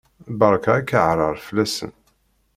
Berka akaɛrer fell-asent!